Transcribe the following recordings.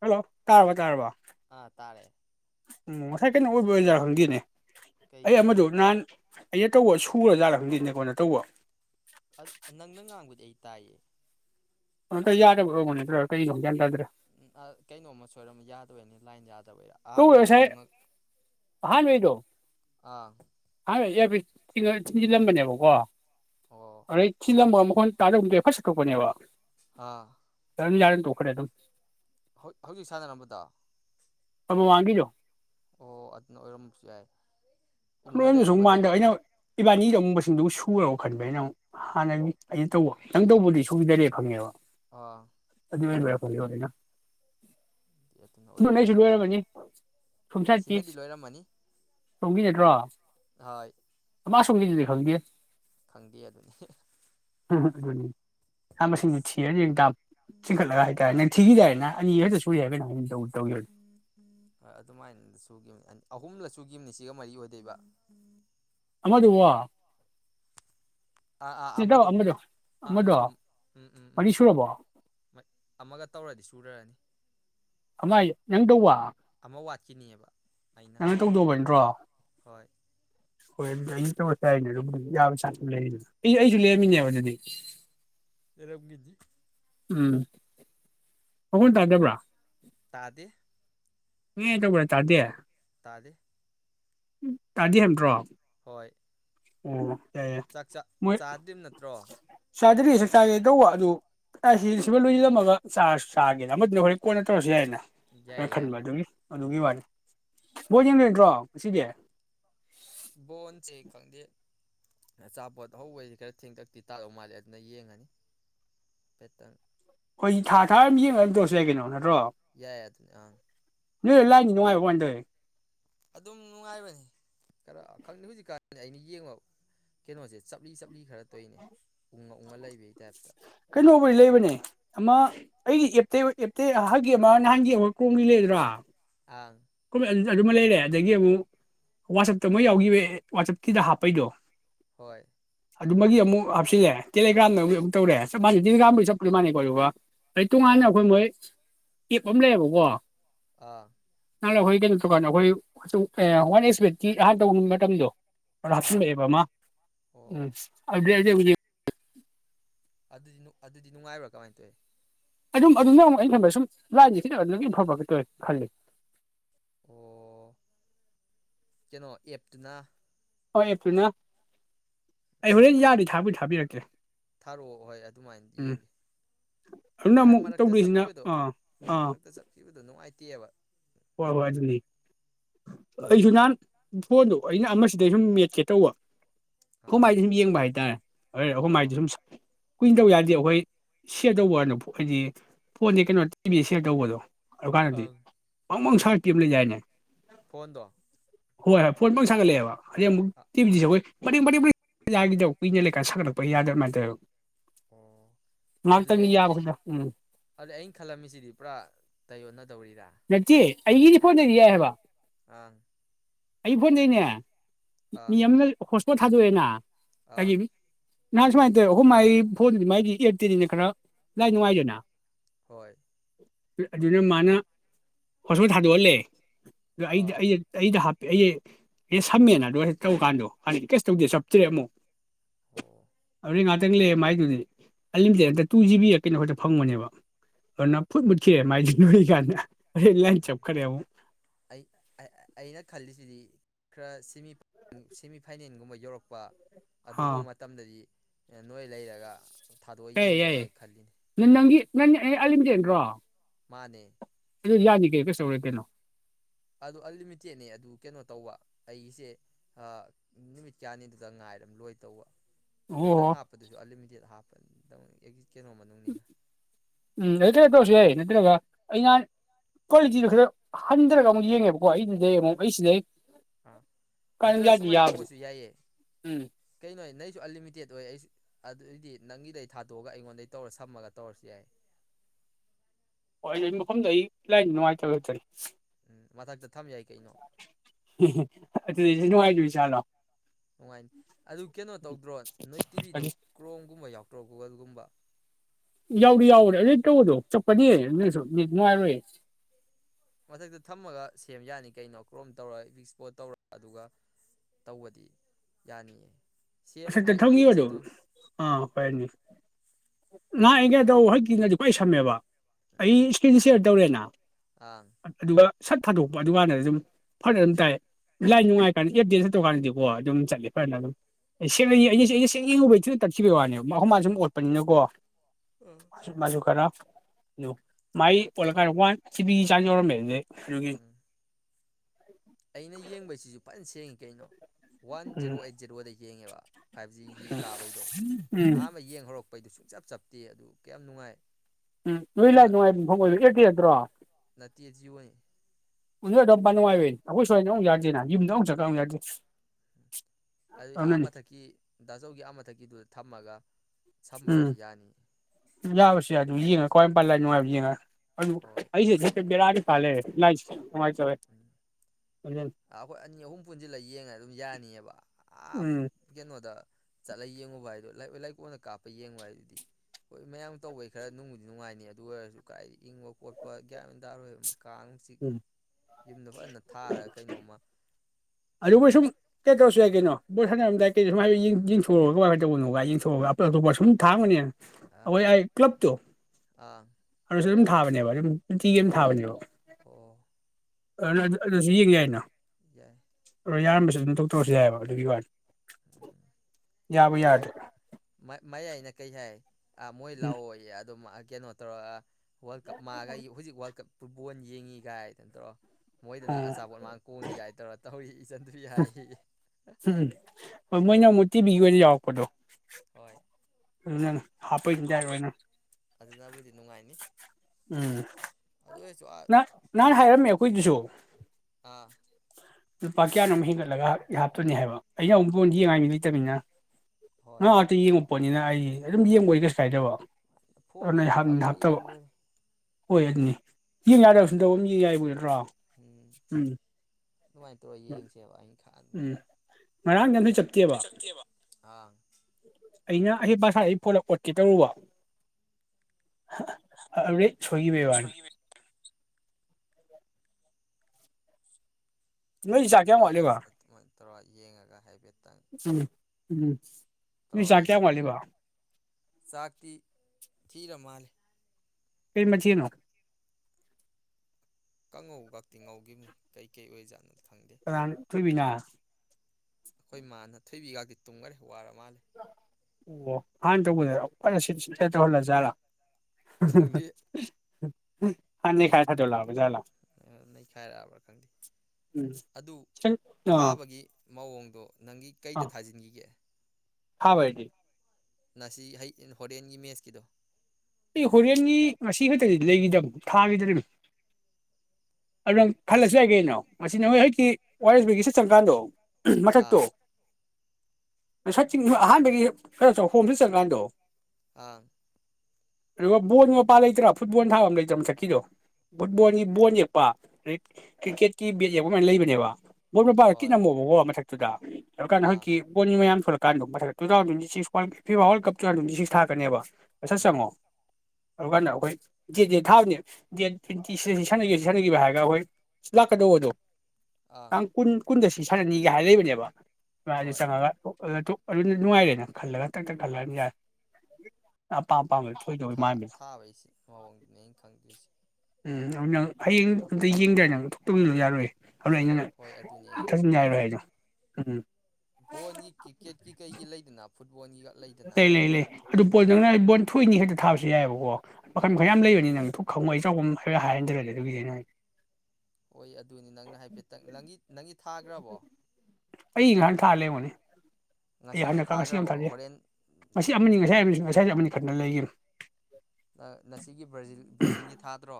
Hello ꯇꯥꯔꯕ ꯇꯥꯔꯕ ꯑꯥ ꯇꯥꯔꯦ ꯎꯝ ꯃꯥꯏ ꯀꯩꯅꯣ ꯑꯣꯏꯕ ꯑꯣꯏ ꯑꯣꯖꯥ ꯈꯪꯒꯦꯅꯦ ꯑꯩ ꯀꯩ ꯃꯗꯨ ꯥꯟ ꯑꯩꯅ ꯇꯧꯕ ꯁꯨꯔꯖꯥꯠ ꯈꯪꯗꯣꯏꯅꯦ ꯀꯣꯏꯅ ꯇꯧꯕ ꯅꯪꯅ ꯉꯥꯡꯕꯨꯗꯤ ꯑꯩ ꯇꯥꯏꯌꯦ ꯀ ꯌꯥꯒ ꯑꯣꯏꯕꯅꯤꯠꯇ꯭ꯔꯣ ꯀꯩꯅꯣ ꯀꯌꯥꯟ ꯇꯥꯗ꯭ꯔꯦ ꯎ ꯀꯩꯅꯣꯝꯃ ꯁꯣꯏꯔꯝ ꯌꯥꯗꯣꯏꯅꯤ ꯂꯥꯏꯟ ꯌꯥꯗ ꯇꯨꯁꯥꯏ ꯍꯥꯟ ꯂꯩꯗꯣ ꯑꯥ ꯍ ꯄ ꯊꯤꯡꯖꯤꯜꯂꯝꯕꯅꯦꯕꯀꯣ ꯑꯣ ꯑꯩ ꯊꯂꯝ ꯑꯃ ꯐꯣꯟ ꯇꯥꯔꯝꯗ ꯑꯩꯈꯣꯏ ꯁꯊꯣꯛꯄꯅꯦꯕ ꯑꯥ ꯊ ꯌꯥꯔꯦ ꯇꯣꯈꯔꯦ ꯑꯗꯨꯝ ꯍꯧꯖꯤꯛ ꯁꯥꯟꯅꯔꯝꯕꯗꯣ ꯑ ꯋꯥꯥꯡꯒ ꯂꯣ ꯑꯣ ꯑꯗꯨꯅ ꯑꯣꯏꯔꯝꯕꯁꯨ ꯌꯥꯏ ꯎꯪꯉ ꯂꯣꯏꯅ ꯁꯨꯝ ꯃꯥꯟꯗꯦ ꯂꯩꯔꯝꯕꯗꯒꯤ ꯑꯩꯅ ꯏꯕꯥꯅꯤꯗꯧꯔꯝꯕꯁꯤꯡꯗꯨꯕꯨ ꯁꯨꯔꯣ ꯈꯟꯕ ꯑꯩꯅ ꯑꯃꯨꯛ ꯍꯥꯟꯅꯒꯤ ꯑꯩꯗꯤ ꯇꯧꯕ ꯑꯣ ꯅꯪ ꯇꯧꯕꯗꯤ ꯁꯨꯈꯤꯗꯔꯦ ꯐꯪꯉꯦꯕ ꯑꯥ ꯐ ꯑꯣꯏꯅ ꯑꯗꯨꯅ ꯑꯣꯏꯔꯝꯕꯁꯨ ꯌꯥꯏ ꯁꯤꯅꯗꯤ ꯂꯣꯏꯔꯝꯃꯅꯤ ꯍꯤꯦ ꯔꯣ ꯍꯣꯏ ꯃꯥ ꯁꯨꯝꯤꯗꯨꯗꯤ ꯈꯜꯒꯦ ꯈꯪꯗꯦ ꯑꯗꯨꯅꯤ ꯍꯝ ꯁꯥ ꯃꯁꯤꯡꯁꯨ ꯊꯤꯔ ꯅꯝ ꯆꯤꯡꯈꯠꯂꯒ ꯎꯝ ꯍꯥꯏꯇꯥꯔꯦ ꯅꯪ ꯊꯤꯈꯤ ꯇꯔꯦ ꯑ ꯍꯁꯨ ꯁꯨꯏ ꯌꯥ ꯍꯥꯏꯦ ꯍꯥꯏ ꯇꯧ ꯍꯣꯏ ꯑꯗꯨꯃꯥꯏꯅ ꯁꯨꯈꯤꯕ ꯑꯍꯨꯝꯂꯁꯨ ꯌ ꯅꯤꯁꯤꯒ ꯃꯔꯤ ꯑꯣꯏꯗꯣꯏꯕ ꯑꯗꯨ ꯋꯥ ꯑꯥ ꯑꯥ ꯑꯃꯗꯣ ꯑꯥ ꯑꯃꯗꯣ ꯑꯃꯗ ꯎꯝ ꯎꯝ ꯎꯝ ꯃꯔꯤ ꯁꯨꯔꯕꯣ ꯑꯃꯒ ꯇꯧꯔꯗꯤ ꯁꯨꯔꯅꯤ ꯑꯃꯥꯏ ꯌꯥꯪꯗꯧ ꯋꯥ ꯀꯅꯤꯕ ꯀꯃꯥꯏ ꯇꯧꯗꯧꯕ ꯅꯠꯇ꯭ꯔꯣ ꯍꯣꯏ ꯍꯣꯏ ꯑꯗꯨ ꯌꯥ ꯂꯩ ꯑꯩ ꯑꯩꯁꯨ ꯂꯦꯝꯃꯤꯅꯦꯕ ꯑꯗꯨꯗꯤ ꯑꯦꯔꯪꯒꯤꯖꯤ ꯎꯝ ꯃꯈꯣꯟ ꯇꯥꯗꯕ꯭ꯔꯥ ꯇꯥꯗꯦ ꯅꯣꯏꯅ ꯇꯧꯕꯗꯨ ꯇꯥꯗꯦ ꯇꯥꯗꯦ ꯎ ꯇꯥꯗꯦ ꯍꯥꯏꯕ ꯅꯠꯇꯔꯣ ꯍꯣꯏ ꯑꯣ ꯆꯥꯛ ꯆꯥ ꯆꯥꯗ꯭ꯔꯤ ꯅꯠꯇ꯭ꯔꯣ ꯆꯥꯗꯔꯤ ꯆꯥꯛ ꯆꯥꯒꯦ ꯇꯧꯕ ꯑꯗꯨ ꯍꯦꯟꯁꯤꯃ ꯂꯣꯏꯁꯤꯜꯂꯝꯃꯒ ꯆꯥꯔꯖꯨ ꯆꯥꯒꯦꯅ ꯑꯃꯗꯨꯅ ꯍꯣꯔꯦꯟ ꯀꯣꯟꯅ ꯇꯧꯔꯁꯨ ꯌꯥꯏꯅ ꯌꯥꯏ ꯌꯥꯏ ꯈꯟꯕ ꯑꯗꯨꯒꯤ ꯎꯝ ꯑꯗꯨꯒꯤ ꯋꯥꯅꯤ ꯕꯣꯜ ꯌꯦꯡꯗꯣꯏ ꯅꯠꯇ꯭ꯔꯣ ꯉꯁꯤꯗꯤ ꯕꯣꯟꯁꯦ ꯈꯪꯗꯦ ꯑꯆꯥꯄꯣꯠ ꯍꯧꯕꯩꯁꯤ ꯈꯔ ꯊꯦꯡꯇꯛꯇꯤ ꯇꯥꯗꯧ ꯃꯥꯜꯂꯦ ꯑꯗꯨꯗ ꯌꯦꯡꯉꯅꯤ ꯍꯥꯏꯐꯦꯠꯇꯪ ꯍꯣꯏ ꯊꯥ ꯊꯥꯔ ꯌꯦꯡꯉ ꯑꯃ ꯑꯗꯨꯝ ꯇꯧꯔꯁ ꯌꯥꯏ ꯀꯩꯅꯣ ꯅꯪ ꯌꯥ ꯌꯥ ꯑꯗꯨ ꯑꯥ ꯅꯣꯏ ꯂꯥꯏꯟꯗꯤ ꯅꯨꯡꯉꯥꯏꯕꯔꯥ ꯀꯃꯥꯏ ꯇꯧꯋꯤ ꯑꯗꯨꯝ ꯅꯨꯡꯉꯥꯏꯕꯅꯤ ꯈꯔ ꯈꯪꯗꯦ ꯍꯧꯖꯤꯛꯀꯥꯟꯖꯦ ꯑꯩꯗꯤ ꯌꯦꯡꯕ ꯀꯩꯅꯣꯁꯦ ꯆꯞꯂꯤ ꯆꯞꯂꯤ ꯈꯔ ꯀꯩ ꯇꯣꯏꯅꯦ ꯎꯪꯉ ꯎꯪꯉ ꯂꯩꯕꯒꯤ ꯇꯥꯏꯞꯇ ꯀꯩꯅꯣꯕꯨꯗꯤ ꯂꯩꯕꯅꯦ ꯑꯃ ꯑꯩꯒꯤ ꯑꯦꯞꯇ ꯑꯦꯞꯇꯩ ꯍꯒꯦ ꯑꯃ ꯅꯍꯥꯟꯒꯤ ꯑꯃ ꯀ꯭ꯔꯣꯝꯒꯤ ꯂꯩꯗ꯭ꯔꯥ ꯑ ꯑꯗꯨꯃ ꯂꯩꯔꯦ ꯑꯗꯒꯤ ꯑꯃꯨꯛ ꯋꯥꯆꯞꯇ ꯃꯣꯏ ꯌꯥꯎꯈꯤꯕ ꯋꯥꯆꯞꯀꯤꯗ ꯍꯥꯞꯄꯩꯗꯣ ꯍꯣꯏ ꯑꯗꯨꯃꯒꯤ ꯑꯃꯨꯛ ꯍꯥꯞꯆꯤꯜꯂꯦ ꯇꯦꯂꯤꯒ꯭ꯔꯥꯝꯗ ꯑꯃꯨꯛ ꯇꯧꯔꯦ ꯆꯞ ꯃꯥꯟꯅ ꯑ ꯇꯤꯂꯤꯒꯔꯥꯝꯕꯨꯗꯤ ꯆꯞ ꯃꯥꯟꯅꯩꯀꯣ ꯑꯗꯨꯒ ꯑꯗ ꯍꯣ ꯇꯣꯉꯥꯟꯅ ꯑꯩꯈꯣꯏ ꯃꯣꯏ ꯑꯦꯞ ꯑꯃ ꯂꯩꯌꯦꯕꯀꯣ ꯑꯥ ꯅꯍꯥꯟ ꯑꯩꯈꯣꯏ ꯀꯩꯅꯣ ꯇꯧꯀꯥꯟꯗ ꯑꯩꯈꯣꯏ ꯋꯥꯟ ꯑꯦꯛꯁ ꯕꯦꯠꯀꯤ ꯑꯍꯥꯟꯕ ꯇꯧꯕ ꯃꯇꯝꯗꯣ ꯑꯪ ꯄꯕ ꯃꯥ ꯑꯣ ꯎꯝ [inaudible] ꯑꯗꯨꯗꯤ ꯑꯗꯨꯗꯤ ꯅꯨꯡꯉꯥꯏꯕ꯭ꯔꯥ ꯀꯃꯥꯏꯅ ꯇꯧꯋꯤ ꯑꯗꯨꯝ ꯑꯗꯨꯝ ꯅꯛ ꯑꯩ ꯉꯟꯕꯗ ꯁꯨꯝ ꯂꯥꯏꯟꯁꯤ ꯁꯤꯖꯤꯟꯅꯕ ꯐꯕ ꯀꯦ ꯇꯣꯏ ꯈꯜꯂꯤ ꯑꯣ ꯀꯩꯅꯣ ꯑꯦꯞꯇꯨꯅ ꯍꯣꯏ ꯑꯦꯞꯇꯨꯅ ꯑꯩ ꯍꯣꯔꯦꯟ ꯌꯥꯗꯗꯤ ꯊꯥꯕꯨꯗꯤ ꯊꯥꯕꯤꯔꯛꯀꯦ ꯊꯥꯔꯛꯑꯣ ꯍꯣꯏ ꯑꯗꯨꯃꯥꯏꯅ ꯎꯝ ꯌꯦꯡꯒꯦ ꯑꯗꯨꯅ ꯉꯥꯏ ꯑꯃꯨꯛ ꯃꯔꯛꯇ ꯇꯧꯗꯣꯏꯁꯤꯅ ꯆꯠꯈꯤꯕꯗꯣ ꯑꯥ ꯃꯔꯛꯇ ꯆꯠꯈꯤꯕꯗꯣ ꯅꯨꯡꯉꯥꯏ ꯇꯦꯕ ꯑꯣ ꯑꯣ ꯑꯗꯨꯅꯤ ꯑꯩꯁꯨ ꯅꯍꯥꯟ ꯐꯣꯟꯗꯣ ꯑꯩꯅ ꯑꯃꯁꯤꯗꯩ ꯁꯨꯝ ꯃꯦꯠꯀꯦ ꯇꯧꯕ ꯑꯩꯈꯣꯏ ꯑꯪ ꯃꯥꯏꯗꯩ ꯁꯨꯝ ꯌꯦꯡꯕ ꯍꯥꯏꯇꯥꯔꯦ ꯍꯣꯏ ꯑꯩꯈꯣꯏ ꯃꯥꯏꯗ ꯑꯣ ꯁꯨꯝ ꯀꯨꯏꯅ ꯇꯧ ꯌꯥꯗꯦ ꯑꯩꯈꯣꯏ ꯁꯤꯌꯔ ꯇꯧꯕ ꯀꯥꯟꯗ ꯍꯥꯏꯗꯤ ꯐꯣꯟꯁꯦ ꯀꯩꯅꯣ ꯇꯤꯚꯤ ꯁꯤꯌꯔ ꯇꯧꯕꯗꯣ ꯑꯣꯀꯥꯟꯅꯗꯤ ꯑꯪ ꯄꯥꯡꯥꯡꯁꯥ ꯀꯦꯞ ꯂꯩ ꯌꯥꯏꯅꯦ ꯐꯣꯟꯗ ꯍꯣꯏ ꯍꯣꯏ ꯐꯣꯟ ꯑꯃꯪ ꯁꯥꯒꯠꯂꯛꯑꯦꯕ ꯑꯔꯦ ꯑꯃꯨꯛꯛꯇꯤꯕꯤꯖꯤꯁꯦꯣꯏ ꯃꯇꯛ ꯃꯇꯒꯤꯗ ꯀꯨꯏꯅ ꯂꯩꯀꯥꯏ ꯁꯥꯒꯠꯂꯛꯄ ꯌꯥꯗꯕ ꯃꯥꯅꯇ ꯑꯣ ꯑꯗꯨꯗꯤ ꯑ ꯈꯛꯇ ꯎꯝ ꯑꯗꯨ ꯑꯩꯅ ꯈꯜꯂꯝꯃꯤꯁꯤꯗꯤ ꯄꯨꯔꯥ ꯇꯌꯣꯟꯅꯗꯧꯔꯤꯔꯥ ꯅꯠꯇꯦ ꯑꯩꯒꯤꯗꯤ ꯐꯣꯟꯗꯗꯤ ꯌꯥꯏ ꯍꯥꯏꯕ ꯑ ꯑꯩ ꯐꯣꯟꯣꯟꯗꯅꯦ ꯃꯤꯅ ꯍꯣꯁ ꯀꯣ ꯊꯥꯗꯣꯛꯑꯦꯅ ꯑꯪ ꯍꯥꯏꯖꯃꯤ ꯅꯍꯥꯟ ꯁꯨꯃꯥꯏꯅ ꯇꯧꯋꯦ ꯑꯩꯈꯣꯏ ꯃꯥꯒꯤ ꯐꯣꯟꯗꯨꯗꯤ ꯃꯥꯒꯤ ꯏꯌꯥꯔꯇꯦꯜꯅꯤꯅ ꯈꯔ ꯂꯥꯏ ꯅꯨꯡꯉꯥꯏꯗꯅ ꯍꯣꯏ ꯑꯗꯨꯅ ꯃꯥꯅ ꯍꯁꯦ ꯊꯣꯂꯦ ꯍꯥ ꯑꯥ ꯑꯩꯦ ꯑꯦ ꯁꯝꯃꯦꯅꯗꯣ ꯇꯧ ꯀꯥꯟꯗꯣ ꯍꯥꯟ ꯀꯩꯁ ꯇꯧꯗꯦ ꯆꯞꯇ꯭ꯔꯦ ꯑꯃꯨꯛ ꯍ ꯍꯦꯟ ꯉꯥꯛꯇꯪ ꯂꯩꯦ ꯃꯥꯏꯗꯨꯗꯤ ꯑꯃꯤꯇꯦꯠ ꯑꯛꯇ ꯇꯨ ꯖꯤꯕꯤꯛ ꯀꯩꯅꯣ ꯍꯛꯇ ꯐꯪꯕꯅꯦꯕ ꯑꯗꯨꯅ ꯐꯨꯠ ꯃꯨꯠꯈꯤꯑꯦ ꯃꯥꯏꯗꯤ ꯅꯣꯏꯀꯥꯟꯗ ꯎꯝ ꯑꯩ ꯑꯩꯅ ꯈꯜꯂꯤꯁꯤꯗꯤ ꯈꯔꯃꯤ ꯁꯦꯃꯤꯐꯥꯏꯅꯜꯒꯨꯝꯕ ꯌꯧꯔꯛꯄ ꯑꯥ ꯑꯗꯨꯒꯨꯝꯕ ꯃꯇꯝꯗꯗꯤ ꯅꯣꯏ ꯂꯩꯔꯒ ꯊꯥꯗꯣꯛꯑ ꯑꯦ ꯌꯦꯡꯒꯦ ꯑꯩ ꯈꯜꯂꯤꯅꯤ ꯌꯥꯪꯒꯤ ꯅꯪ ꯑꯂꯤꯃꯀꯦꯟ꯭ꯔꯣ ꯃꯥꯅꯦ ꯑꯗꯨ ꯌꯥꯅꯤ ꯀꯦ ꯀꯩꯁꯨꯧꯔꯦ ꯀꯩꯅꯣ ꯑꯗꯨ ꯑꯟꯂꯤꯃꯤꯇꯦꯠꯅꯦ ꯑꯗꯨ ꯀꯩꯅꯣ ꯇꯧꯕ ꯑꯩꯒꯤꯁꯦ ꯅꯨꯃꯤꯠ ꯀꯌꯥꯅꯤꯗꯨꯗ ꯉꯥꯏꯔꯝ ꯂꯣꯏ ꯇꯧꯕ ꯑꯣ ꯃꯊꯪ ꯍꯥꯞꯄꯗꯨꯁꯨ ꯑꯃꯤꯦ ꯍꯥꯞꯄ ꯀꯩꯅꯣ ꯃꯅꯨꯡꯅꯤꯅ ꯎ ꯎꯝ ꯑꯗꯨ ꯀꯩꯅꯣ ꯇꯧꯔꯁꯨꯍꯦ ꯅꯠꯇ꯭ꯔꯒ ꯑꯩꯅ ꯀ꯭ꯋꯥꯂꯤꯇꯤꯗꯨꯣ ꯈꯔ ꯍꯟꯊꯔꯒ ꯑꯃꯨꯛ ꯌꯦꯡꯉꯦꯕꯀꯣ ꯑꯩꯁꯤꯗꯩ ꯑꯃꯨꯛ ꯑꯩꯁꯤꯗꯩ ꯑꯥ ꯀꯥꯟ ꯅꯠꯇ꯭ꯔ ꯌꯥꯗꯤ ꯁꯨꯃꯥꯏꯅ ꯌꯥꯕꯅꯦ ꯇꯧꯕꯁꯨ ꯌꯥꯏꯌꯦ ꯎꯝ ꯀꯩꯅꯣ ꯅ ꯑꯩꯁꯨ ꯑꯟꯂꯤꯃꯤꯇꯦꯠ ꯑꯣꯏ ꯑꯩ ꯑꯗꯨꯏꯗꯤ ꯅꯪꯒꯤꯗꯩ ꯊꯥꯗꯣꯛꯑꯒ ꯑꯩꯉꯣꯟꯗꯒꯤꯩ ꯇꯧꯔ ꯁꯝꯃꯒ ꯇꯧꯔꯁꯨ ꯌꯥꯏ ꯍꯣꯏ ꯑꯩ ꯃꯐꯝꯗ ꯑꯩ ꯏ ꯂꯥꯏꯅ ꯅꯨꯡꯉꯥꯏꯇꯔꯠꯆꯔꯤ ꯃꯊꯛꯇ ꯊꯝ ꯌꯥꯏ ꯀꯩꯅꯣ ꯑ ꯅꯨꯡꯉꯥꯏꯁꯂꯣ ꯅꯨꯡꯉꯥꯏꯅꯤ ꯑꯗꯨ ꯀꯩꯅꯣ ꯇꯧꯗ꯭ꯔꯣ ꯅꯣꯏ ꯇꯤꯚꯤꯗꯣ ꯀ꯭ꯔꯣꯡꯝꯒꯨꯝꯕ ꯌꯥꯎ ꯇ꯭ꯔꯣꯒꯨꯕꯜꯒꯨꯝꯕ ꯌꯥꯎꯔꯤ ꯌꯥꯎꯔꯤ ꯑꯗꯨ ꯇꯧꯗꯣ ꯆꯠꯄꯅꯦ ꯅꯣꯏꯁꯨ ꯅꯨꯡꯉꯥꯏꯔꯣꯏ ꯃꯊꯛꯇ ꯊꯝꯃꯒ ꯁꯦꯝ ꯌꯥꯅꯤ ꯀꯩꯅꯣ ꯀ꯭ꯔꯣꯝ ꯇꯧꯔ ꯏꯤꯛ ꯏꯁꯄꯣꯠ ꯇꯧꯔ ꯑꯗꯨꯒ ꯇꯧꯕꯗꯤ ꯌꯥꯅꯤꯑ ꯁꯠꯇ ꯊꯝꯈꯤꯕꯗꯣ ꯑꯥ ꯐꯣꯏꯅꯤ ꯂꯥꯛꯏꯉꯩꯗꯧ ꯍꯣꯏꯀꯤꯉꯗꯤ ꯈ꯭ꯋꯥꯏ ꯁꯝꯃꯦꯕ ꯑꯩ ꯎꯝ ꯏꯁꯀ꯭ꯔꯤꯟꯁꯦ ꯁꯤꯌꯔ ꯇꯧꯔꯦꯅ ꯑꯪ ꯑꯗꯨ ꯁꯠ ꯊꯥꯗꯣꯛꯄ ꯑꯗꯨꯀꯥꯟꯗꯗꯤ ꯑꯗꯨꯝ ꯐꯖꯅ ꯑꯗꯨꯝ ꯇꯥꯏ ꯂꯥꯏ ꯅꯨꯡꯉꯥꯏꯀꯥꯟꯗ ꯑꯦꯗꯖꯦꯟꯁ ꯇꯧꯀꯥꯟꯗꯗꯤꯀꯣ ꯑꯗꯨꯝ ꯆꯠꯂ ꯐꯖꯅ ꯑꯗꯨꯝ ꯑꯦ ꯁꯦꯡꯅꯏ ꯑꯩꯅꯁꯨ ꯑꯩꯅ ꯁꯦꯡ ꯌꯦꯡꯉꯨꯕꯩ ꯊꯨꯅ ꯇꯛꯈꯤꯕꯒꯤ ꯋꯥꯅꯦꯕ ꯃꯧ ꯃꯥꯜ ꯁꯨꯝ ꯑꯣꯠꯄꯅꯤꯅꯀꯣ ꯃꯥꯖꯨ ꯈꯔ ꯏ ꯃꯥꯏ ꯑꯩ ꯑꯣꯂꯀꯥ ꯋꯥꯟ ꯁꯤꯤ ꯄꯤꯒꯤ ꯆꯥꯖ ꯋꯥꯔꯝꯔꯦ ꯔꯒꯤꯦ ꯎ ꯎꯝ ꯑꯩꯅ ꯌꯦꯡꯕꯁꯤꯁꯨ ꯐꯖꯅ ꯁꯦꯡꯉꯤ ꯀꯩꯅꯣ ꯋꯥꯟ ꯖꯦꯔꯣ ꯎꯝ ꯑꯩꯠ ꯖꯦꯔꯣꯗ ꯌꯦꯡꯉꯦꯕ ꯐꯥꯏꯚ ꯖꯤꯒꯤ ꯀꯥꯕꯩꯗꯣ ꯎꯝ ꯑꯍꯥꯟꯕ ꯌꯦꯡ ꯍꯧꯔꯛꯄꯩꯗꯨꯁꯨ ꯆꯞ ꯆꯞꯇꯦ ꯑꯗꯨ ꯀꯌꯥꯝ ꯅꯨꯡꯉꯥꯏ ꯎꯝ ꯅꯣꯏ ꯂꯥꯏ ꯈꯔ ꯅꯨꯡꯉꯥꯏ ꯐꯪꯣꯏꯕ ꯑꯦ ꯀ ꯅꯠꯇ꯭ꯔꯣ ꯑꯗꯨ ꯅꯠꯇꯦ ꯖꯤꯌꯣꯅꯤ ꯑꯗꯨꯣꯝꯄꯥ ꯅꯨꯡꯥꯏꯕꯅꯦ ꯑꯩꯈꯣꯏ ꯁ꯭ꯏꯗ ꯑꯃꯨꯛ ꯌꯥꯗꯦꯅ ꯌꯨꯝꯗ ꯑꯃꯨꯛ ꯀꯛ ꯌꯥꯗꯦ ꯑꯗꯨ ꯑꯥ ꯑꯗꯨꯅꯅꯤ ꯃꯊꯛꯀꯤ ꯗꯥꯖꯧꯒꯤ ꯑꯥ ꯃꯊꯛꯀꯤꯗꯨꯗ ꯊꯝꯃꯒ ꯁꯝꯕ ꯎꯝ ꯑꯣꯏꯗꯤ ꯌꯥꯅꯤ ꯌꯥꯕꯕꯁꯤ ꯌꯥꯗ ꯌꯦ ꯉ ꯀꯣꯏꯝ ꯄꯜꯂꯅꯅꯨꯡꯥꯏꯕ ꯌꯦꯉ ꯑꯗꯨ ꯍꯣꯏ ꯑꯩꯁꯦꯇꯦꯒ ꯐꯂꯦ ꯂꯥꯏ ꯅꯨꯡꯉꯥꯏꯇꯕꯩ ꯎꯝ ꯑꯗꯨꯅꯅꯤ ꯑꯩꯈꯣꯏ ꯑꯅꯤ ꯑꯍꯨꯝ ꯄꯨꯟꯁꯤꯜꯂꯒ ꯌꯦꯡꯉ ꯑꯗꯨꯝ ꯌꯥꯅꯤꯑꯕ ꯑꯞ ꯎꯝ ꯀꯩꯅꯣꯗ ꯆꯠꯂ ꯌꯦꯡꯉꯨꯕ ꯍꯥꯏꯗꯨꯣ ꯂ ꯂꯩꯀꯣꯟꯅ ꯀꯥꯞꯄ ꯌꯦꯡꯉꯨ ꯍꯥꯏꯗꯨꯗꯤ ꯍꯣꯏ ꯃꯌꯥꯝ ꯇꯧꯕꯩ ꯈꯔ ꯅꯨꯡꯕꯨꯗꯤ ꯅꯨꯡꯉꯥꯏꯅꯤ ꯑꯗꯨ ꯑꯣꯏꯔꯁꯨ ꯀꯥꯏ ꯏꯪꯕ ꯈꯣꯠꯄ ꯒ꯭ꯌꯥꯟ ꯇꯥꯔꯣꯏꯕ ꯀꯥ ꯅꯨꯡ ꯎꯝ ꯀꯩꯅꯣꯝꯃ ꯑꯗꯨꯕꯨ ꯐꯖꯅ ꯁꯨꯝ ꯀꯩ ꯇꯧꯔꯁꯨ ꯌꯥꯏ ꯎꯝ ꯀꯩꯅꯣ ꯕꯣꯏ ꯁꯥꯟꯅꯔꯝꯗꯥꯏ ꯀꯩꯅꯨꯝꯣꯔ ꯇꯧꯕꯣ ꯌꯦꯟꯄꯂ ꯇꯧꯕ ꯁꯨꯝ ꯊꯥꯒꯅꯦ ꯑꯥ ꯀ ꯀ꯭ꯂꯕ ꯇꯣ ꯑꯥ ꯁ ꯊꯕꯅꯦꯕ ꯊꯥꯅꯦꯕꯣ ꯑꯣ ꯑ ꯌꯦ ꯌꯥꯏꯅ ꯑꯦꯏ ꯍꯣꯏ ꯏꯌꯥꯝꯕꯁꯨ ꯑꯗꯨꯝ ꯇꯧ ꯇꯣꯛꯔꯁꯨ ꯌꯥꯏꯑꯕ ꯑꯗꯨꯒꯤ ꯋꯥꯅꯤ ꯌꯥꯕ ꯌꯥꯔꯗꯤ ꯃꯌꯥꯏꯅ ꯀꯩ ꯍꯥꯏ ꯑꯥ ꯃꯣꯏ ꯎꯝ ꯂꯥꯛꯑꯣ ꯑꯗꯨꯝ ꯅꯠꯇ꯭ꯔꯣ ꯋꯥꯔꯜ ꯀꯞ ꯃꯥꯑꯒ ꯑꯩ ꯍꯧꯖꯤꯛ ꯋꯥꯔꯜ ꯀꯞ ꯐꯨꯠꯕꯣꯜ ꯌꯦꯡꯉꯤ ꯀꯥꯏ ꯅꯠꯇ꯭ꯔꯣ ꯃꯣꯏꯗ ꯑꯣ ꯑꯆꯥꯄꯣꯠ ꯃꯥꯡ ꯀꯣꯡꯅꯤ ꯀꯥꯏ ꯇꯧꯔ ꯇ ꯍꯏ ꯆꯗꯕꯤ ꯍꯥꯏꯏ ꯎꯝ ꯍꯣꯏ ꯃꯣꯏꯅ ꯃꯨ ꯇꯤꯕꯤꯒꯤ ꯑꯣꯏꯅ ꯌꯥꯎꯔꯛꯄꯗꯣ ꯍꯣꯏ ꯑꯗꯨꯅ ꯍꯥꯞꯄꯩ ꯗꯥꯏꯣꯏ ꯅꯪ ꯑꯗꯨꯅꯕꯨꯗꯤ ꯅꯨꯡꯉꯥꯏꯅꯤ ꯎꯝ ꯑꯗꯨ ꯑꯣꯏꯔꯁꯨ ꯑꯥ ꯅ ꯅꯍꯥꯟ ꯍꯥꯏꯔꯝꯃꯦ ꯑꯩꯈꯣꯏꯗꯨꯁꯨ ꯑꯥ ꯂꯨꯄꯥ ꯀꯌꯥꯅꯣꯃꯨꯛ ꯍꯦꯟꯒꯠꯂꯒ ꯍꯥꯞꯇꯣꯏꯅꯦ ꯍꯥꯏꯕ ꯑꯩꯅ ꯑꯃꯨꯛꯛꯇꯣꯟꯗꯤ ꯌꯦꯡꯉꯥꯏꯅꯤ ꯂꯩꯇꯅꯤꯅ ꯍꯣꯏ ꯑ ꯇꯤ ꯄꯣꯠꯅꯤꯅ ꯑꯩ ꯑꯗꯨꯝ ꯌꯦꯡꯕꯣꯏ ꯀꯩꯁꯨ ꯀꯏꯗꯕꯣ ꯐꯣꯟꯗꯒꯤ ꯊꯥꯗꯣꯛꯑ ꯌꯦꯡꯂꯣꯏꯔꯦ ꯍꯣꯏ ꯑꯗꯨꯅꯤ ꯌꯦ ꯌꯥꯗꯕꯁꯤ ꯇꯧꯕ ꯌꯦ ꯌꯥꯏꯕ ꯅꯠꯇ꯭ꯔꯣ ꯎꯝ ꯑꯗꯨꯃꯥꯏꯅ ꯇꯧꯔꯒ ꯌꯦꯡꯁꯦꯕ ꯑꯩꯅ ꯈ ꯑꯗꯨꯝ ꯉꯥꯡꯒ ꯆꯕ ꯑꯩꯅ ꯑꯩ ꯕꯁꯥꯗꯒꯤ ꯐꯣꯂ ꯑꯣꯠꯀꯦ ꯇꯧꯔꯨꯕ ꯑꯦ ꯁꯒꯤꯕꯤ ꯋꯥꯔ [unintelligible] ꯅꯣꯏ ꯏ ꯆꯥ ꯀꯌꯥ ꯍꯣꯏ ꯃꯥꯦꯕ ꯑꯁ ꯑꯗꯨꯃꯥꯏꯅ ꯇꯧꯔ ꯌꯦꯡꯉꯒ ꯍꯥꯏꯐꯦꯠ ꯎꯝ ꯎꯝ ꯇꯧꯔꯒ ꯃꯤꯁꯥ ꯀꯌꯥ ꯑꯩꯅ ꯃꯥꯂꯤꯕ ꯆꯥꯛꯇꯤ ꯊꯤꯔ ꯃꯥꯂꯦ ꯀ ꯃꯆꯤꯅꯣ ꯀꯪꯉꯧ ꯀꯇꯤ ꯉꯧꯈꯤꯕꯅꯤ ꯀꯩ ꯀꯩ ꯑꯣꯏꯖꯥꯠꯅꯣ ꯈ ꯅꯤ ꯇꯨꯔꯕꯤꯅ ꯑꯩꯈꯣꯏ ꯃꯥꯅ ꯊꯣꯏꯕꯤꯒꯒꯤ ꯇꯨꯝꯈꯔ ꯋꯥꯔꯕ ꯇꯜ ꯑꯣ ꯍꯅ ꯇꯧꯕꯗ ꯐꯅ ꯁꯤ ꯁꯤ ꯇꯧꯍꯜꯂꯖꯥꯠꯔꯥ ꯈꯪꯗꯦ [unintelligible] ꯍꯥꯟꯅꯤ ꯈ ꯊ ꯇꯧ ꯂꯥꯛꯕ ꯌꯥꯂ ꯅꯩꯈꯥꯏꯔꯛꯑꯕ꯭ꯔꯥ ꯈꯪꯗꯦ ꯎꯝ ꯑꯗꯨ ꯈꯤꯇꯪ ꯑꯥ ꯊꯥꯕꯒꯤ ꯃꯑꯣꯡꯗꯣ ꯅꯪꯒꯤ ꯀꯩꯗ ꯊꯥꯖꯤꯟꯈꯤꯒꯦ ꯍꯥꯥ ꯥꯏꯗꯤ ꯁꯤ ꯍꯣꯔꯦꯟꯒꯤ ꯃꯦꯁꯀꯗꯣ ꯑꯩ ꯍꯣꯔꯦꯟꯒꯤ ꯉꯁꯤ ꯈꯛꯇꯗꯤ ꯂꯩꯈꯤꯗꯕ ꯊꯥꯒꯤꯗ ꯑꯗꯨ ꯅꯪ ꯉꯁꯤ ꯈꯜꯂꯁꯦ ꯀꯩꯅꯣ ꯁꯤ ꯅ ꯍꯣꯏ ꯑꯩꯀꯤ ꯋꯥꯏ ꯑꯦꯁ ꯕꯤꯒꯤꯁꯤꯦ ꯆꯪꯀꯥꯟꯗꯣ ꯃꯥꯊ ꯑꯥ ꯇꯣ ꯉ ꯆꯤꯡ ꯑꯍꯥꯟꯕꯒꯤ ꯈꯩꯅꯣ ꯆꯥꯛꯍꯣꯁꯤ ꯆꯪꯀꯥꯟꯗꯣ ꯑꯥ ꯑꯗꯨꯒ ꯕꯣꯜ ꯃꯄꯥ ꯂꯩꯇ꯭ꯔꯥ ꯐꯨꯠꯕꯣꯜ ꯊꯥꯕ ꯑꯃ ꯂꯩꯇ꯭ꯔꯥ ꯃꯊꯛꯀꯤꯗꯣ ꯐꯨꯠꯕꯣꯜꯒꯤ ꯕꯣꯜ ꯌꯦꯛꯄ ꯑ ꯀ꯭ꯔꯤꯛꯀꯦꯠꯀꯤ ꯕꯦꯠ ꯌꯦꯛꯄ ꯃꯥꯏꯅ ꯂꯩꯕꯅꯦꯕ ꯃꯣꯏ꯭ꯔꯕꯕꯥ ꯀꯠ ꯍꯣꯏ ꯅꯪꯃꯕꯣ ꯃꯊꯛ ꯇꯗ ꯔꯅ ꯍꯣꯏꯛ ꯑꯥ ꯣꯅꯤ ꯃꯌꯥꯝ ꯐꯔꯛ ꯊ ꯇꯨ ꯊꯥꯎꯋꯦꯟꯤꯤꯔꯜ ꯀꯞ ꯇꯨ ꯊ ꯇ꯭ꯋꯦꯟꯤ ꯁꯤꯁ ꯊꯥꯀꯅꯦꯕ ꯑꯁꯥ ꯎꯝ ꯆꯪꯉꯣ ꯑꯗꯨ ꯀꯥꯟꯗ ꯑꯩꯈꯣꯏ ꯗꯦꯠ ꯗꯦꯠ ꯊꯥꯕꯅꯦ ꯗꯦꯠ ꯇ꯭ꯋꯦꯟꯇꯤ ꯁꯥꯟꯈꯤꯕ ꯁꯥꯟꯅꯈꯤꯕ ꯍꯥꯏꯔꯒ ꯑꯩꯈꯣꯏ ꯁꯤ ꯂꯥꯛꯀꯗꯧꯕꯗꯣ ꯑꯥ ꯁꯥꯡ ꯀ ꯀꯟꯗꯁ ꯥꯅꯅꯤꯒ ꯍꯥꯏꯔ ꯂꯩꯕꯅꯦꯕ ꯔꯖ ꯍꯣꯏ ꯆꯉꯒ ꯑꯗꯨ ꯑꯗꯨꯝ ꯅꯨꯡꯉꯥꯏꯔꯦꯅ ꯈꯜꯂꯒ ꯍꯇꯛꯇ ꯈꯜꯂ ꯌꯥꯔꯦ ꯑꯄꯥ ꯄꯄꯥꯃꯦꯦ ꯊꯥꯕꯩꯁꯤ ꯃꯑꯣꯡꯗꯨꯅꯦ ꯑꯩꯅ ꯈꯪꯗꯣꯏꯁꯤꯦ ꯎꯝ ꯑꯗꯨ ꯅꯪ ꯍꯌꯦꯡ ꯑꯝꯇ ꯌꯦꯡꯗ꯭ꯔꯏ ꯅꯪ ꯊꯣꯛꯇꯗꯣ ꯌꯥꯔꯣꯏ ꯑꯗꯨꯅ ꯑꯩꯅ ꯅꯪ ꯍꯣꯏ ꯑꯗꯨꯅꯦ ꯑꯩꯅ ꯊꯛꯆꯤꯟ ꯌꯥꯔꯣꯏ ꯆꯠꯂꯤꯁꯦ ꯍꯥꯏꯗꯣ ꯎꯝ ꯕꯣꯜꯒꯤ ꯀ꯭ꯔꯤꯛꯀꯦꯠꯀꯤ ꯀꯩꯒꯤ ꯂꯩꯗ ꯐꯨꯠꯕꯣꯜꯉꯒ ꯏ ꯂꯩ ꯏ ꯂꯩ ꯑꯗꯨꯣ ꯄꯣ ꯅꯪꯅ ꯕꯣꯟ ꯊꯣꯛꯣꯛꯏꯅꯤ ꯍꯦꯛꯇ ꯊꯥꯕꯁꯨ ꯌꯥꯏꯑꯕꯀꯣ ꯃꯈꯜ ꯃꯈꯔ ꯌꯥꯝ ꯂꯩꯕꯅꯤ ꯅꯪꯅ ꯊ ꯈꯪꯉꯣ ꯑꯩ ꯆꯥꯎꯐꯝ ꯍꯥꯏꯕ ꯍꯥꯏꯔꯟꯗ꯭ꯔꯗꯤ ꯑꯗꯨꯒꯤꯗꯤ ꯅꯪ ꯍꯣꯏ ꯑꯗꯨꯅꯤ ꯅꯪꯅ ꯍꯥꯏꯐꯦ ꯅꯪ ꯅꯪꯒꯤ ꯊꯥꯈ꯭ꯔꯕꯣ ꯑꯩ ꯏꯪ ꯈꯅ ꯊꯥꯂꯦꯕꯅꯦ ꯑꯩ ꯉꯁꯤꯒꯤ ꯍꯥꯟꯅꯀ ꯉꯁꯤ ꯌꯥꯝ ꯊꯥꯈ꯭ꯔꯕꯣ ꯊꯥꯖꯦ ꯍꯣꯔꯦꯟ ꯉꯁꯤ ꯑꯃꯅꯤ ꯉꯁꯥꯏꯁꯨ ꯉꯁꯥꯏ ꯑꯃꯅꯤ ꯐꯅ ꯂꯩꯒꯨꯝ ꯉꯁꯤꯒꯤ ꯕ ꯕ꯭ꯔꯥꯖꯤꯜꯒꯤ ꯊꯥꯗ꯭ꯔꯣ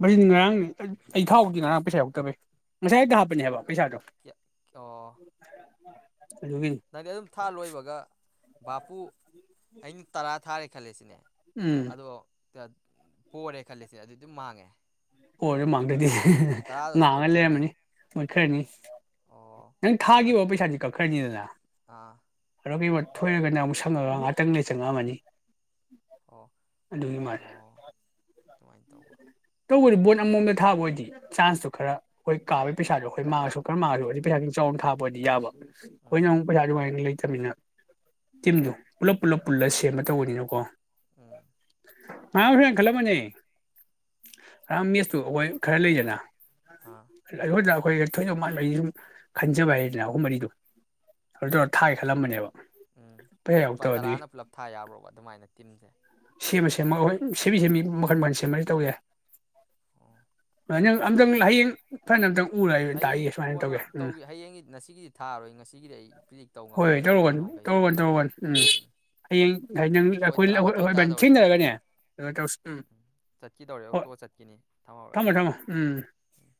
ꯕ꯭ꯔꯖꯤꯟ ꯉꯔꯥꯡꯅꯤ ꯑꯩ ꯊꯥꯍꯧꯗꯤ ꯉꯔꯥꯡ ꯄꯩꯁꯥ ꯌꯥꯎꯗꯕꯩ ꯉꯁꯥꯏ ꯇ ꯍꯥꯞꯄꯅꯦꯕ ꯄꯩꯁꯥꯗꯣ ꯑꯣ ꯑꯗꯨꯒꯤꯅꯤ ꯅꯪꯗꯤ ꯑꯗꯨꯝ ꯊꯥ ꯂꯣꯏꯕꯒ ꯕꯥꯄꯨ ꯑꯩꯅ ꯇꯔꯥ ꯊꯥꯔꯦ ꯈꯜꯂꯦꯁꯤꯅꯦ ꯎꯝ ꯑꯗꯣ ꯄꯣꯔꯦ ꯈꯜꯂꯤꯁꯦ ꯑꯗꯨ ꯑꯗꯨꯝ ꯃꯥꯡꯉꯦ ꯑꯣꯏꯔ ꯃꯥꯡꯗ꯭ꯔꯗꯤ ꯇꯔꯥꯗꯣ ꯑꯗꯨꯝ ꯉꯥꯡꯉ ꯃꯨꯠꯈ꯭ꯔꯅꯤ ꯂꯩꯔꯝꯃꯅꯤ ꯃꯣꯢ ꯈꯔꯅꯤ ꯑꯣ ꯅꯪ ꯊꯥꯒꯤꯒꯤꯕ ꯄꯩꯁꯥꯗꯤ ꯀꯛꯈ꯭ꯔꯅꯤꯗꯅ ꯑꯥ [unintelligible] ꯊꯣꯏꯔꯒꯅ ꯑꯃꯨꯛ ꯁꯪꯉꯒ ꯉꯥꯏꯍꯥꯛꯇꯪ ꯂꯩ ꯆꯪꯉꯛꯑꯝꯃꯅꯤ ꯑꯣ ꯑꯣ ꯑꯗꯨꯃꯥꯏ ꯇꯧꯕ ꯇꯧꯕꯗꯤ ꯕꯣꯟ ꯑꯃꯃꯝꯗ ꯊꯥꯕ ꯑꯣꯏꯗꯤ ꯆꯥꯟꯁꯇꯨ ꯈꯔ ꯑꯩꯈꯣꯏ ꯀꯥꯕꯒꯤ ꯄꯩꯁꯥꯗꯣꯈꯣꯏ ꯃꯥꯡꯉꯁꯨ ꯈꯔ ꯃꯥꯡꯉꯁꯨ ꯑꯗꯨ ꯄꯩꯁꯥ ꯈ ꯆꯥꯎꯅ ꯊꯥꯕ ꯑꯣꯏꯗꯤ ꯌꯥꯕ ꯑꯩꯈꯣꯏꯅ ꯎꯝ ꯑꯃꯨꯛ ꯄꯁꯥꯑꯗꯨꯃꯥꯢ ꯂꯩ ꯇꯝꯅꯤꯅ ꯇꯤꯝꯗꯣ ꯄꯨꯂꯞ ꯄꯨꯂꯞ ꯄꯨꯜꯂ ꯁꯦꯝꯕ ꯇꯧꯕꯅꯤꯅꯀꯣ ꯎꯝ [unintelligible] ꯔꯥꯝꯃꯦꯁꯇꯨ ꯑꯩꯈꯣꯏ ꯈꯔ ꯂꯩꯗꯅ ꯑꯥ ꯑꯈꯣꯢꯗ ꯍꯣꯏ ꯊꯣꯏꯗꯧ ꯃꯥꯟꯕ ꯑꯩꯁꯦ ꯁꯨꯝ ꯈꯟꯖꯕ ꯍꯥꯏꯗꯅ ꯑꯍꯨꯝ ꯃꯔꯤꯗꯣ ꯑꯗꯨ ꯎꯝ ꯇꯧꯔ ꯊꯥꯒꯦ ꯈꯜꯂꯝꯕꯅꯦꯕ ꯎꯝ ꯄꯩꯁꯥ ꯂꯨꯄꯥ ꯌꯥꯎꯔꯛꯇꯕ ꯑꯗꯨꯒꯤ ꯇꯔꯥꯅ ꯄꯨꯂꯞ ꯊꯥ ꯌꯥꯕ꯭ꯔꯣꯕ ꯑꯗꯨꯃꯥꯏꯅ ꯇꯤꯝꯁꯦ ꯁꯦꯝꯃ ꯁꯦꯝꯃ ꯍꯣꯏ ꯁꯦꯝꯃꯤ ꯁꯦꯝꯃꯤ ꯃꯈꯟ ꯃꯈꯟ ꯁꯦꯝꯃꯗꯤ ꯇꯧ ꯋꯥꯢ ꯑꯣ ꯐꯥꯏꯅꯦꯜ ꯑꯝꯗꯪ ꯍꯌꯦꯡ꯫ [unintelligible] ꯎꯔ ꯍꯌꯦꯡ ꯇꯥꯛꯏꯒꯦ ꯁꯨꯃꯥꯏꯅ ꯀꯣꯟꯅ ꯇꯧꯒꯦ ꯎꯝ ꯍꯌꯦꯡꯒꯤ ꯉꯁꯤꯒꯤꯗꯤ ꯊꯥꯔꯣꯏ ꯉꯁꯤꯒꯤꯗꯤ ꯑꯩ ꯄ꯭ꯔꯤꯗꯤꯛ ꯇꯧ ꯍꯣꯏ ꯍꯣꯏ ꯉꯝꯃꯣꯏꯕ ꯇꯧꯔꯒ ꯀꯩꯅꯣ ꯃꯈꯩꯁꯦ ꯇꯧꯔꯒ ꯇꯧꯔꯒꯅꯤ ꯎꯝ ꯍꯌꯦꯡ ꯅꯪ ꯑꯩꯈꯣꯏ ꯇꯔꯥꯃꯥꯊꯣꯏ ꯍꯣꯏ ꯇꯥꯗꯧꯔꯦ ꯊꯦꯡꯅꯔꯒꯅꯦ ꯑꯗꯨꯩꯅꯣ ꯇꯧꯁꯤ ꯎꯝ ꯇꯣ ꯆꯠꯈꯤꯅꯤ ꯊꯝꯍꯧꯔꯒꯦ ꯊꯝꯃꯣ ꯊꯝꯃꯣ ꯎꯝ ꯎꯝ